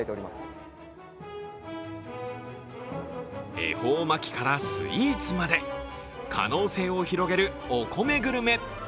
恵方巻からスイーツまで可能性を広げるお米グルメ。